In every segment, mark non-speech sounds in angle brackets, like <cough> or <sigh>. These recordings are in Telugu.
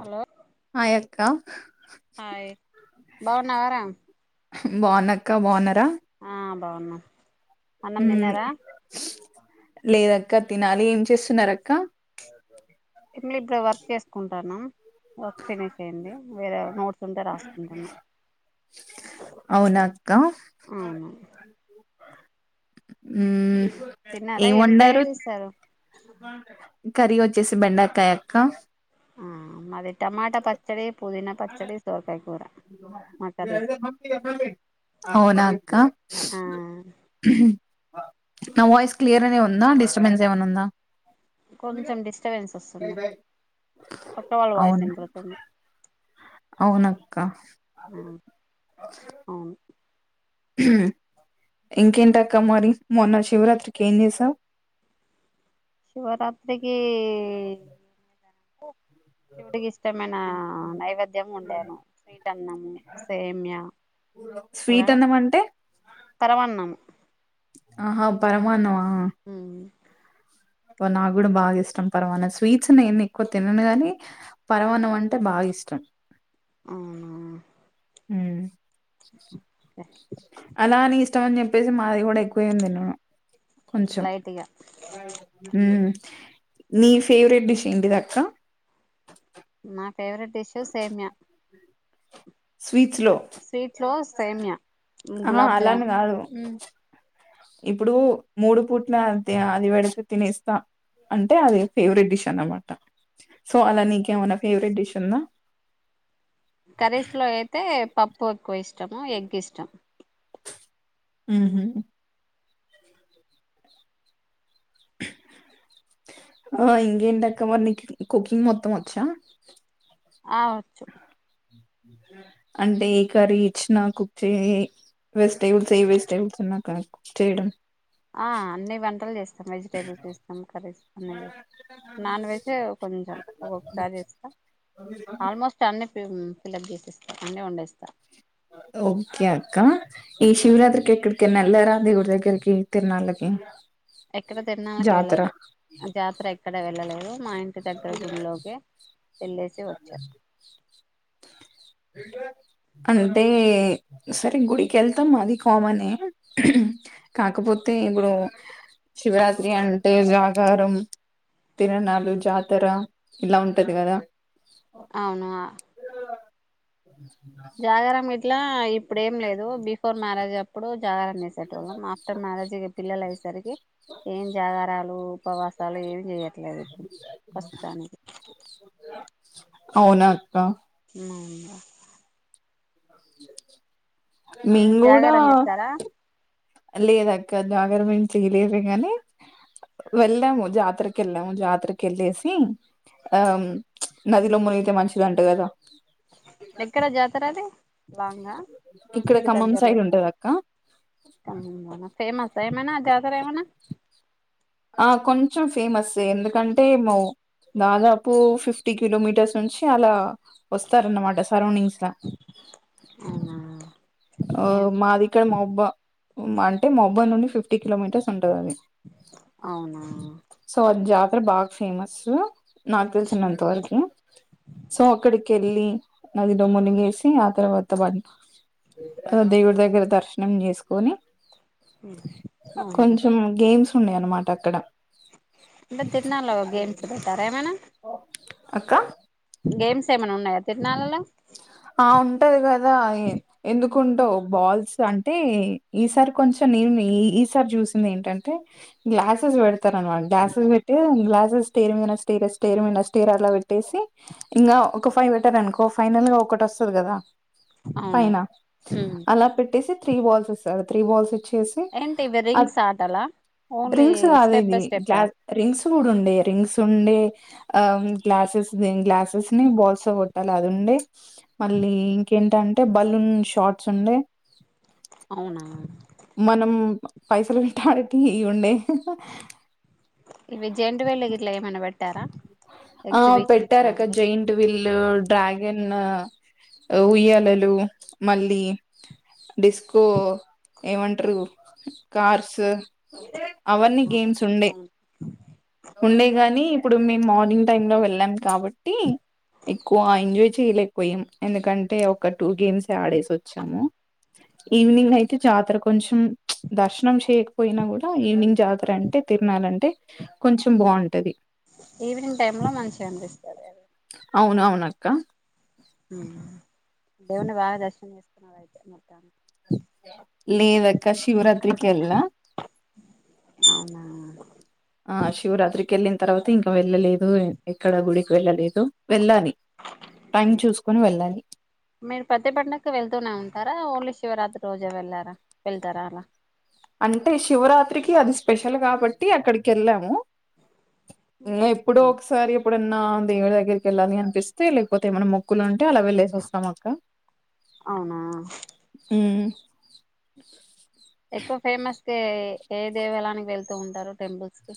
హలో హాయ్ అక్క హాయ్ బాగున్నావా రా బాన్నా అక్క బాన్నారా ఆ బాగున్నా అన్నం మ్మ్ తిన్నారా లేదక్క తినాలి ఏం చేస్తున్నా ఆర్ అక్క <unintelligible> వర్క్ చేసుకుంటానా వర్క్ ఫినిష్ అయింది వేరే నోట్స్ ఉంటే రాసుకుంటున్న అవునా క్కా హ్ తిన్నారా ఏం కర్రీ వండారు. చేస్తారు కర్రీ వచ్చేసి బెండకాయ అక్కా. ఆ మాది టమాట పచ్చడి. పుదీనా పచ్చడి సోరకాయ కూర మా కర్రీస్ అవునా అక్కా. ఆ నా వాయిస్ క్లియర్ గనే ఉందా. డిస్టర్బెన్స్ ఏమన్నా ఉందా? కొంచెం డిస్టబెన్స్ వస్తుంది. పక్క వాళ్ళ వాయిస్ వినపడుతుంది. అవునక్కా. ఆ అవును ఇంకేంటక్కా మరి మొన్న శివరాత్రికి ఏం చేసావు. శివరాత్రికి శివుడికి ఇష్టమైన నైవేద్యం వండాను స్వీట్ అన్నం, సేమియా అలా స్వీట్ అన్నం అంటే తరవన్నము ఆహా పరమాన్నమా. హుమ్ అబ్బా నాకు కూడా బాగా ఇష్టం పరమాన్నాం. స్వీట్స్ నేను ఎక్కువ తినను కాని పరమాన్నాం అంటే బాగా ఇష్టం. అవునా. ఉమ్ ఓకే అలాని ఇష్టం అని చెప్పేసి మ అది కూడా ఎక్కువేం తినను. కొంచెం లైట్గా ఉమ్. నీ ఫేవరెట్ డిష్ ఏంటిది అక్కా? నా ఫేవరెట్ డిష్షు సేమియా. స్వీట్స్ లో సేమ్యా ఆహా గులాబ్ జామ్ అలాని కాదు. ఉమ్, ఇప్పుడు మూడు పూట్ల అది పెడితే తినేస్తా అంటే అది ఫేవరెట్ డిష్ అన్నమాట. సో అలా నీకేమన్నా ఫేవరెట్ డిష్ ఉందా. కర్రీస్ లో అయితే పప్పు ఎక్కువ ఇష్టము. ఎగ్ ఇష్టం. ఉహూ ఆ ఇంకేంటక్క మరి నీకి కుకింగ్ మొత్తం వచ్చా? ఆ వచ్చు. అంటే ఏ కర్రీ ఇచ్చినా కుక్ చే వెజిటేబుల్స్ ఏ వెజిటేబుల్స్ ఉన్నా కా కుక్ చేయడం. ఆ అన్ని వంటలు చేస్తాం. వెజిటేబుల్స్ చేస్తాం. కర్రీస్ అన్ని చేస్తాం. నాన్ వెజ్ ఏ కొంచెం ఒసారి చేస్తా. ఆల్మోస్ట్ అన్ని హ్ ఫిలప్ చేసేస్తా, అన్నీ వండేస్తా. ఓకే అక్కా. ఈ శివరాత్రికి ఎక్కడికైన వెళ్ళారా దేవుడి దగ్గరికి తిరునాళ్ళకి? ఎక్కడ తిరున్నాళ్ళకి జాతర వెళ్ళలే జాతర ఎ ఎక్కడ వెళ్ళలేదు మా ఇంటి దగ్గర గుడిలోకి వెళ్ళేసి వచ్చా అంటే సరే గుడికి ఏళ్తాం. అది కామనే కాకపోతే ఇప్పుడు శివరాత్రి అంటే జాగారం తిరణాలు జాతర ఇలా ఉంటది గాదా అవునా ట్లా ఇప్పుడు ఏం లేదు బిఫోర్ మ్యారేజ్ అప్పుడు జాగ రం చేసేటోలం ఆఫ్టర్ మారేజ్ పిల్లలాయ్ స్ సరికి ఏం జాగారాలు ఉపవాసాలు ఏమి చేయట్లేదు ఇప్పుడు ప్రస్తుతానికి అవునా అక్క మౌందా మెం గుడా జాగారం చేస్తారా లేదక్క జాగరాం చేయలేదు. గాని వెళ్ళాము. జాతరకి వెళ్ళాము జాతరకి వెళ్ళేసి ఆ నదిలో మునీగితే మంచిది అంట గాదా ఎక్కడ జాతర అది లాంగా ఇక్కడ మీకు ఖమ్మం దగ్గరలో సైడ్ ఉంటది అక్క కమ్ముందన ఫేమస్ ఏమైన జతర ఏమన్న ఆ కొంచెం ఫేమస్ ఎందుకంటే దాదాపు ఫిఫ్టీ కిలోమీటర్స్ నుంచి అలా వస్తారన్నమాట సరౌండింగ్స్లా అవునా ఆ ఏం మాది ఇక్కడ మహబూబా అంటే మహబూబాబాద్ నుండి ఫిఫ్టీ కిలోమీటర్స్ ఉంటది అది. అవునా సో ఆ జాతర బాగా ఫేమసు నాకు తెలిసినంత వరకు సో అక్కడికి ఏళ్ళి నదిలో మునిగేసి ఆ తర్వాత దేవుడి దగ్గర దర్శనం చేసుకొని అవునా కొంచెం గేమ్స్ ఉన్నాయి అన్నమాట అక్కడ ఇంకా తిరుణాలలో గేమ్స్ పెట్టరా ఏమాన్న అక్కా గేమ్స్ ఏమైన ఉన్నాయా తిరునాలల్ల ఆ ఉంటది కదా ఎందుకుండవ్ బాల్స్ అంటే ఈసారి కొంచెం నేను ఈ సారి జూసింది. ఏంటంటే గ్లాసెస్ పెడతారున మాట గ్లాసెస్ పెట్టి గ్లాసెస్ స్టేర్ మీద స్టీర్ స్టేర్ మీద స్టేర్ అలా పెట్టేసి ఇంకా ఒక ఫైవ్ పెట్టారు. అనుకో ఫైనల్ గా ఒ ఒక్కటి వస్తది గాదా అవునా పైన ఉమ్ అలా పెట్టేసి త్రీ బాల్స్ ఇస్తరు త్రీ బాల్స్ ఈచ్చేసి ఏంటి ఇవి ఆ రింగ్స్ ఆటలా ఓన్లీ రింగ్స్ కాదు స్టెప్ ఇది బై స్టెప్పా గ్లాస్ రింగ్స్ కూడా ఉండే రింగ్స్ ఉండే ఆ గ్లాసెస్ గ్లాసెస్ ని బాల్స్ తో కొట్టాలి. అది ఉండే మళ్ళీ ఇంకేంటంటే బలూన్ షార్ట్స్ ఉండే అవునా మనం పైసలు పెట్టాడానికి ఇవి ఉండే ఇవి జెయింట్ వీళ్ళు గిట్ల ఎమన్న పెట్ ఆ పెట్టారక్క లాంటివి జైంట్ విల్ డ్రాగన్ ఉయ్యాలలు మళ్ళీ డిస్కో ఏమంటరు కార్స్ అవన్నీ గేమ్స్ ఉండే అవును, ఉండే గాని ఇప్పుడు మీ మార్నింగ్ టైమ్ లో వెళ్ళాం కాబట్టి ఎక్కువ ఎంజాయ్ చేయలేకపోయాం ఎందుకంటే ఒక టూ గేమ్స్ ఆడేసి వచ్చాము ఈవినింగ్ అయితే జాతర కొంచెం దర్శనం చేయకపోయినా కూడా ఈవినింగ్ జాతర అంటే తిరినాలంటే కొంచెం బాగుంటంది ఈవినింగ్ టైమ్ లో మంచిగా అనిపిస్తలేదు అవును అవునక్క దేవున్ని బాగా దర్శనం చేసుకున్నారు అయితే మొత్తానికి లేదక్క శివరాత్రికి కేల్లా ఆ ఆ శివరాత్రికి కేళ్ళిన తర్వాత ఇంకా వెళ్ళలేదు ఎక్కడ గుడికి వెళ్ళలేదు వెళ్ళాలి టైం చూసుకొని వెళ్ళాలి మీరు ప్రతి పండకు వెళ్తూనే ఉంటారా ఓన్లీ శివరాత్రి రోజే వెళ్ళారా వెళ్తారా అలా అంటే శివరాత్రికి అది స్పెషల్ కాబట్టి అక్కడికి కేళ్ళాము ఇంగ ఎప్పుడో ఒకసారి ఎప్పుడన్నా దేవుడి దగ్గరికి కేళ్ళాలి అనిపిస్తే లేకపోతే ఏమనా మొక్కు లాంటి టే అలా వెళ్లేసి వస్తాం అక్క అవునా ఎక్కువ ఫేమస్ కే ఏ దేవాలయానికి వెళ్తూ ఉంటారు టెంపుల్స్ కి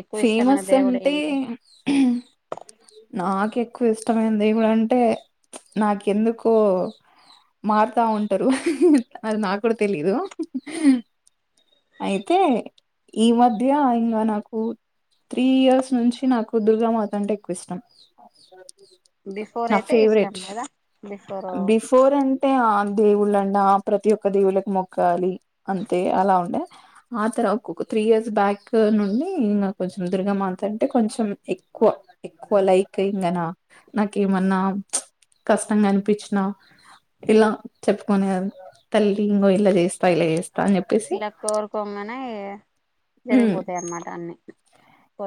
ఎక్కువ ఇష్టమైన ఫేమస్ దేవుడు అంటే ఏంటి నాకే ఎక్కువ ఇష్టమైంది ఏమిటంటే నాకు ఎందుకో మారుతా ఉంటరు అది నా కూడ తెలిదు అయితే ఈ మధ్య ఇంగ నాకు త్రీ ఇయర్స్ నుంచి నాకు దుర్గామాత అంటే ఎక్కువ ఇష్టం బిఫోర్ నా అయితే ఇష్టం ఫేవరెట్ లేదా బిఫోర్ అంటే ఆ దేవుళ్ళన్నా ప్రతి ఒక్క దేవుళ్ళకి మొక్కాలి అంతే అలా ఉండే ఆ తర ఒక్కొక త్రీ ఇయర్స్ బ్యాక్ నుండి ఇంగ కొంచెం దుర్గమాత అంటే కొంచెం ఎక్కువ ఎక్కువ లైక్ ఇంగనా నాకేమన్నా కష్టంగాని పిచిన ఇలా చెప్పుకునేది తల్లి ఇంగో ఇలా చేస్తా ఇలా చేస్తా అని చెప్పేసి ఇలా కోరుకోంగానే ఉమ్ జరిగిపోతాయి అన్నమాట అన్ని ఆ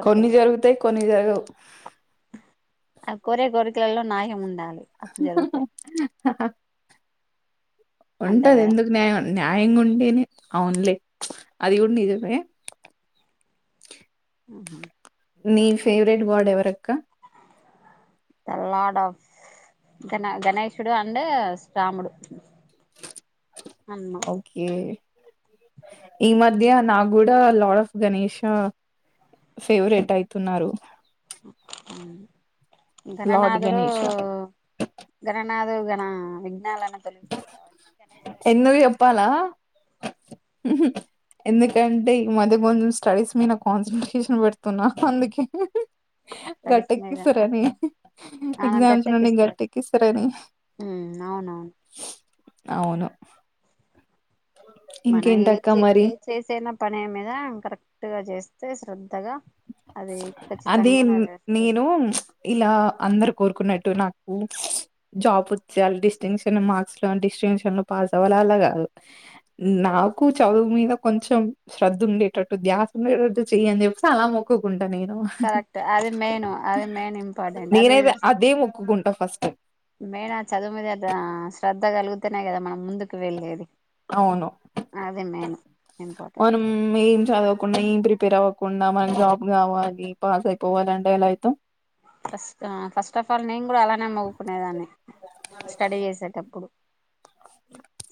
కొన్ని జరుగుతై కొన్ని జరగవు ఆ కొరే గొరికలలో నాయం ఉండాలి అప్పుడు జరుగుతాయి ఆ ఆహా అంతే ఉంటది కదా ఎందుకు న్యాయం న్యాయంగా ఉంటేనే అవునులే అది గుడా నిజమే ఉహు నీ ఫేవరెట్ గాడ్ ఎవరక్క ద లార్డ్ ఆఫ్ గణ గణేషుడు అండూ రాముడు అన్మా ఓకే ఈ మధ్య నా గూడా లార్డ్ ఆఫ్ గణషా ఫేవరెట్ అయితున్నారు. మ్మ్ లార్డ్ గణనాథుడూ గణేష గణ నాదుగనా విజ్ఞాల ఎందుకు చెప్పాలా పూజిస్తాడు ఎందుకంటే ఈ మధ్య కొంచెం స్టడీస్ మీద కాన్సన్ట్రేషన్ పెడుతున్నా అందుకే. స్టడీస్ మీద గట్టెక్కిస్తరని ఆ ఎగ్జామ్స్ నుండి గట్టెక్కిస్తాడు గట్టెక్కిస్తరని అవునవును అవును మన ఏ ఇంకేంటక్క చే మరి ఏ చేసేనా పనే మీద కరెక్ట్గా చేస్తే శ్ర అది నెరవేరుస్తది నేను ప్చ్ ఇలా అందరు కోరుకున్న ట్టు నాకు జాబ్ వచ్చేయాలి డిస్టింక్షన్ మార్క్స్ లో డిస్టింషన్ లో పాస్ అవ్వాల అలా కాదు. నాకు చదువు మీద కొంచెం శ్రద్ధ ఉండేటట్టు, ధ్యాస ఉండేటట్టు, చెయ్యీ అని చె ప్పి అలా మొక్కుకుం కరెక్ట్ అది మెయిను అది మెయిన్ ఇంపార్టెంట్ అది నేనైతే అదే మొక్కుకుంటా ఫస్ట్ మెయినా చదువు మీద ద్యా శ్రద్ధ కలుగుతేనె కదా మనం ముందుకు వెళ్ళేది అవును అది మెయిన్ మనం ఇంపార్టెంట్ ఏం చదువు కొని ప్రిపేర్ అవ్వకుండా మనం జాబ్ కావాలి పాస్ అయిపోవాలి అంటే ఎలా అయితం ఫస్ట్ ఆ ఫస్ట్ ఆఫ్ ఆల్ నేన్ గూడా అలానే మొకునేదాన్ని స్టడీ చేసేటప్పుడు.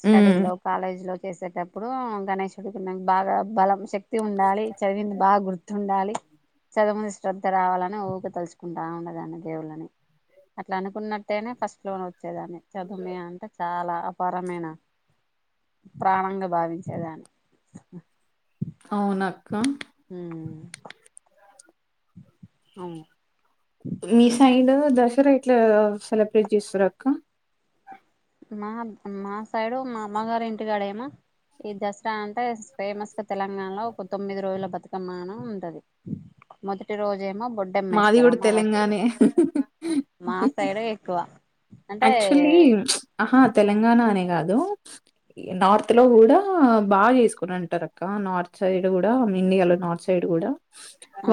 స్టడీ ఉమ్ లో కాలేజ్ లో చేసేటప్పుడు గణేషుడికి నాకు బాగా బలం శక్ తి ఉండాలి, చదివింది బాగ గుర్తుండాలి. చదువు మీద శ్రద్ధ రావాలని ఊక తలుచుకుంటా ఉండేదాన్ని దేవుళ్ళని. అట్లా అనుకున్నట్టేనే ఫస్ట్ లోనె వచ్చేదాన్ని. చదుమీ అంటే చాలా అపర్ మైన ప్రాణంగా భావించేదాన్ని. అవునక్క హ్మ్ అవును మీ సైడ్ దసరా ఎట్లా సెలబ్రేట్ చేస్తరక్క? మా మా సైడు మా అమ్మగారి ఇంటికాడ ఏమో ఈ దసరా అంటే ఫేమస్ గా తెలంగాణలో ఒక తొమ్మిది రోజుల బతుకమ్మానీ ఉంటది. మొదటి రోజెమో మాది బొడ్డుమ్మేస్తరు కూడా అమావాస తెలంగాణే <inaudible> మా సైడే ఎక్కువ అంటే యాక్టువల్లీ ఆహా తెలంగా అనే కాదు నార్త్ లో కూడా బాగా చేసుకుని అంటారు అక్క నార్త్ సైడ్ కూడా ఇండియాలో నార్త్ సైడ్ కూడా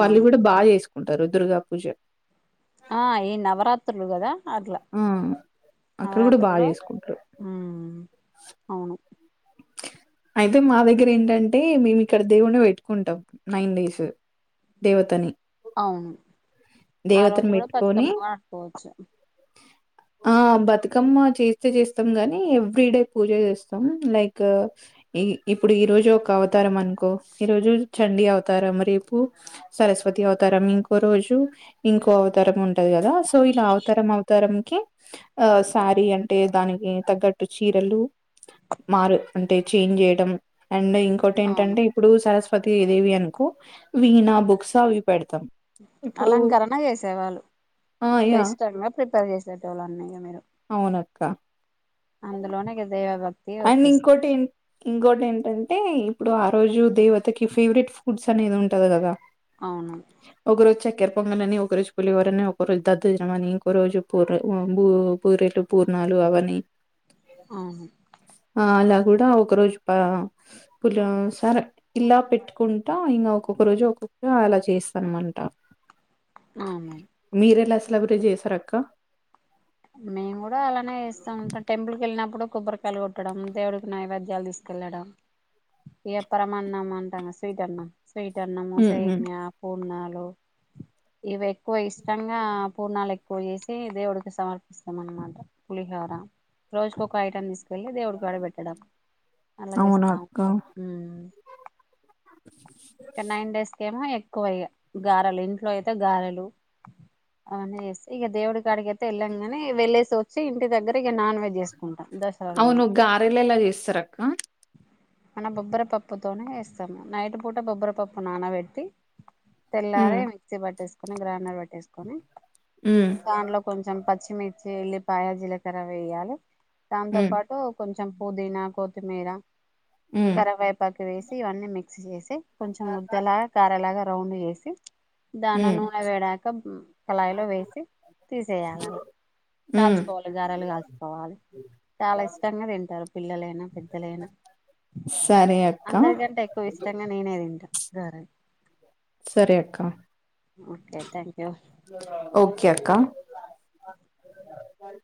వాళ్ళు కూడా బాగా చేసుకు ధరిందృగపుష ఆ ఈ నవరాత్రులు గదా అట్లా ఆ అక్కడ కూడా బాగా నవరాత్రులో చేసుకుంటారు ఉమ్ అవును అయితే మా దగ్గర ఏంటంటే మేము ఇక్కడ దేవున్ని పెట్టుకుంటాం నైన్ డేస్ దేవతని అవును ఆ రోజు దేవతని కూడా పెట్టుకొని బతుకమ్మ ఆడుకోచ్చు ఆ బతుకమ్మ చేస్తే చేస్తాం గాని ఎవ్రీ డే పూజ చేస్తాం లైక్ క ఇప్పుడు ఈ రోజు ఒక అవతారం అనుకో ఈ రోజు చండీ అవతారం రేపు సరస్వతి అవతారం ఇంకో రోజు ఇంకో అవతారం ఉ ఉంటది కదా సో ఇలా అవతరం అవతరం కె శారీ అంటే దానికి తగ్గట్టు చీరలు మారు అంటే చేంజ్ చేయటం అండ్ ఇంకోటి అవును ఏంటంటే ఇప్పుడు సరస్వ పతిదేవి అనుకో వీణ బుక్స్ అవ్ అలంకరణ చేసేవాళ్ళు ఆ యా విష్టంగా ప్రిపేర్ చేసేటోళ్లు అన్ని ఇగ మీరు అవును అక్క అందులోనే ఇగ దైవా భక్ అండ్ ఇంకోటి ఏం ఇంకోటి ఏంటంటే అంటే ఇప్పుడు ఆ రోజు దేవతకి ఫేవరెట్ ఫుడ్స్ అనేది ఉంటది కదా అవును ఒగరో చెకార్ పొంగలని ఒక రోజు పులిహోరని ఒక రోజు దద్దోజనం మని ఇంకో రోజు పూ బు బురెలు పూర్ణాలు అవ్వన్ని ఆహ అలా కూడా ఒక రోజు పా పులా సరే ఇలా పెట్టుకుంటా ఇంకా ఒక్కొక్క రోజు ఒక్కొక్కర అలా చేస్తానమంట అమమ్ క్లవ్వ కేజీ ఏసారు అక్క మేము కూడా అలానే ఏస్తాం ఇంకా టెంపుల్ కి వెళ్ళినప్ ప్పుడు కొబ్బరికాయలు కొట్టడం దేవుడికి నైవేద్యాలు తీసుకెళ్ళడం ఇగ పరమన్నం అంటాము స్వీట్ అన్నం స్వీట్ అన్నమో ఉమ్ ఉమ్ సేమియా పూర్ణాలు లో ఇవి ఎక్కువ ఇష్టంగా పూర్ణాలు ఎక్కువ చేసి దేవుడికి సమర్ప ఇస్తం అనమాట పులిహోర రోజుకొక ఐటమ్ తీసు వెళ్ళి దేవుడి కాడ పెట్టడం అవునా అలాగేస్తాం అక్క ఉమ్ ఉ ఇక నైన్ డేస్ కేమో యే ఎక్కువై గారలు ఇంట్లో అయితే గారెలు అవన్నీ చేస్తే ఇక దేవుడి కాడికి అయితే ఎల్లన్ ను వెళ్లేేసి వచ్చి ఇంటి దగ్గర ఇగ నాన్ వెజ్ జేస్ అవును గారెలు ఎలా ఎస్తరక్క మన బొబ్బరిపప్పుతోనే ఎస్తాము నైటు పూట బొబ్బరిపప్పు నానబెట్టి తెల్లారే ఉమ్ మిక్సీ బట్టెస్ గ్రైండర్ వట్టేసుకొని ఉమ్ దాంట్లో కొంచెం పచ్ పచ్చిమిర్చి ఎల్లిపాయ జీలకర్ర వెయ్యలే దంతో ఉమ్ పాటు కొంచం చం పూదీనా కొత్తిమీర ఉమ్ కరీవేపాకు వేసి ఇవన్నీ మిక్సీ చేసి కొంచెం ముద్దలా గారలాగా రౌండ్ యేసి దాన్ని ఉమ్ నూనె వేడయ్యాక కళాయిలో వేసి తీసేయాలలా ఉమ్ కాల్చుకోవాలి గారాలు కాల్చుకోవాలి చాలా ఇష్టంగా తింటారు పిల్లలైనా పెద్దలైనా సరే అక్క అందరికంటే ఎక్కువ ఇష్టంగా నేనే తింటా సరే సరే అక్క ఓకే థ్యాంక్ యూ ఓకే అక్క <unintelligible>